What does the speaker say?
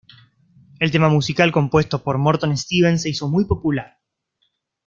El tema musical compuesto por Morton Stevens se hizo muy popular.